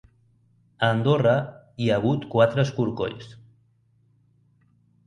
A Andorra hi ha hagut quatre escorcolls.